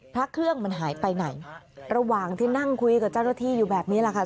พระเครื่องมันหายไปไหนระหว่างที่นั่งคุยกับเจ้าหน้าที่อยู่แบบนี้แหละค่ะ